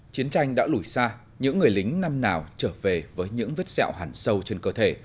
chiến tranh đã lùi xa những người lính năm nào trở về với những vết sẹo hẳn sâu trên cơ thể